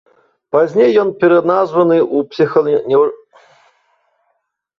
Пазней ён пераназваны ў псіханеўралагічны інтэрнат з адасобленым спецаддзяленнем.